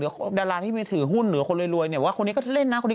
หรือดาราที่มีถือหุ้นหรือคนรวยรวยเนี่ยว่าคนนี้ก็เล่นน่ะ